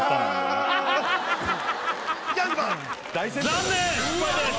残念失敗です！